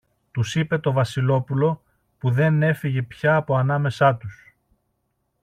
τους είπε το Βασιλόπουλο, που δεν έφευγε πια από ανάμεσα τους.